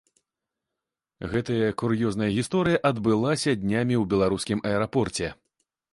Гэтая кур'ёзная гісторыя адбылася днямі ў беларускім аэрапорце.